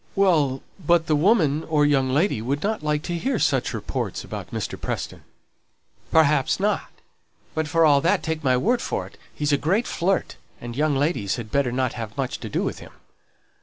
"Well, but the woman, or young lady, would not like to hear such reports about Mr. Preston." "Perhaps not. But for all that, take my word for it, he's a great flirt, and young ladies had better not have much to do with him."